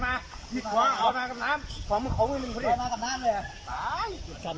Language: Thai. หลังของแล้ว